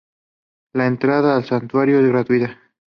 La entrada al santuario es gratuita.